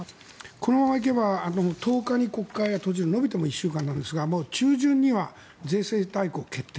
このまま行けば１０日に国会が閉じる延びても１週間ですが中旬には税制大綱決定。